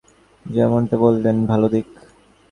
যেমনটা বললেন, এটা ভাগ্যের ভালো দিক।